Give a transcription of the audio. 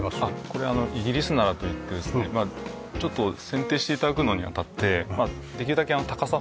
これあのイギリスナラといってですねちょっと選定して頂くのに当たってできるだけ高さ方向